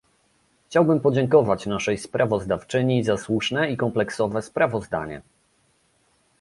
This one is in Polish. Chciałbym podziękować naszej sprawozdawczyni za słuszne i kompleksowe sprawozdanie